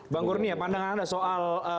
bang gurni ya pandangan anda soal